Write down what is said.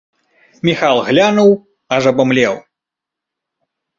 Міхал глянуў, аж абамлеў.